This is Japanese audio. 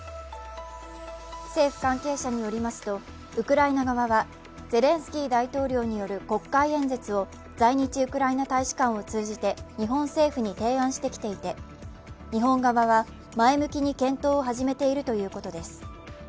政府関係者によりますとウクライナ側は、ゼレンスキー大統領による国会演説を在日ウクライナ大使館を通じて日本政府に提案してきていて日本側は前向きに検討を始めているということです。